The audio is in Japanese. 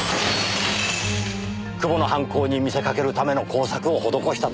久保の犯行に見せかけるための工作を施したというわけです。